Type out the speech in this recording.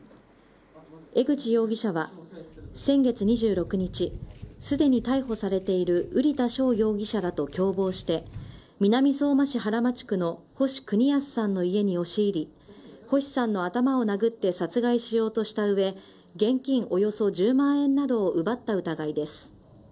江口容疑者は先月２６日すでに逮捕されている瓜田翔容疑者らと共謀して南相馬市原町区の星邦康さんの家に押し入り星さんの頭を殴って殺害しようとした上現金およそ１０万円などを奪った疑いです。